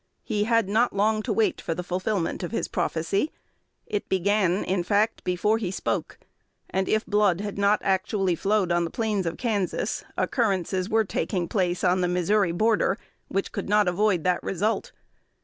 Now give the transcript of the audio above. He had not long to wait for the fulfilment of his prophecy: it began, in fact, before he spoke; and if blood had not actually flowed on the plains of Kansas, occurrences were taking place on the Missouri border which could not avoid that result.